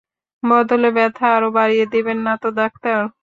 বদলে ব্যাথা আরো বাড়িয়ে দেবেন নাতো, ডাক্তার?